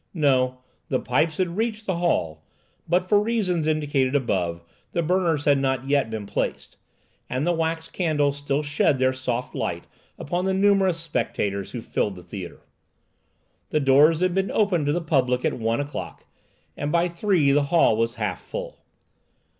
No; the pipes had reached the hall, but, for reasons indicated above, the burners had not yet been placed, and the wax candles still shed their soft light upon the numerous spectators who filled the theatre. The doors had been opened to the public at one o'clock, and by three the hall was half full.